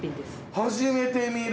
初めて見る。